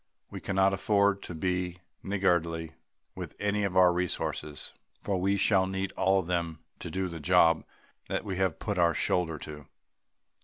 We cannot afford to be niggardly with any of our resources, for we shall need all of them to do the job that we have put our shoulder to.